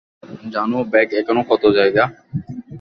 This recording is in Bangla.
জানো ব্যাগ এখনও কত জায়গা!